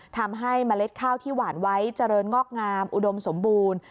ทำให้เมล็ดข้าวที่หวานไว้เจริญงอกงามอุดมสมบูรณ์